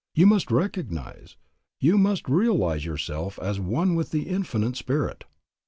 You must recognize, you must realize yourself as one with Infinite Spirit.